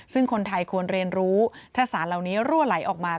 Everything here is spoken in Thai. ซึ่งคนไทยควรเรียนรู้ถ้าสารเหล่านี้รั่วไหลออกมา